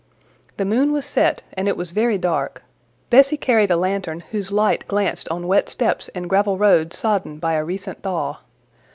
The moon was set, and it was very dark; Bessie carried a lantern, whose light glanced on wet steps and gravel road sodden by a recent thaw.